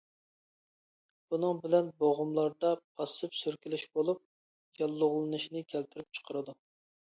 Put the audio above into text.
بۇنىڭ بىلەن بوغۇملاردا پاسسىپ سۈركىلىش بولۇپ ياللۇغلىنىشىنى كەلتۈرۈپ چىقىرىدۇ.